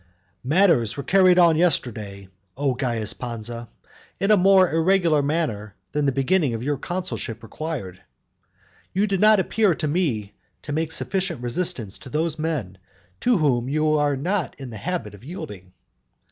I. Matters were carried on yesterday, O Caius Pansa, in a more irregular manner than the beginning of your consulship required. You did not appear to me to make sufficient resistance to those men, to whom you are not in the habit of yielding.